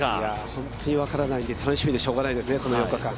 本当に分からないんで楽しみでしかたないですね、この４日間。